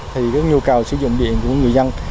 thì nhu cầu sử dụng điện của người dân